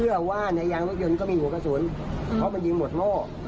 ใช่นี่ว่าก็รู้จักษามันเฉพาะว่าอะไรเกิดขึ้น